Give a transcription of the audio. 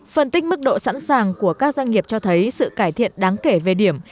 phân tích mức độ sẵn sàng của các doanh nghiệp cho thấy sự cải thiện đáng kể về điểm